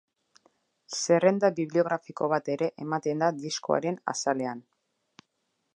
Zerrenda bibliografiko bat ere ematen da diskoaren azalean.